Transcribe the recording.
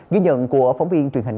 ghi nhận của phóng viên truyền hình